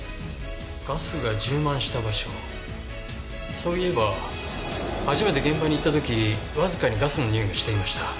そういえば初めて現場に行った時わずかにガスのにおいがしていました。